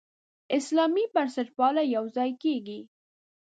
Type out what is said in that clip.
اسلامي بنسټپالنه یوځای کېږي.